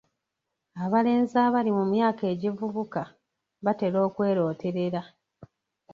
Abalenzi abali mu myaka egivubuka batera okwerooterera.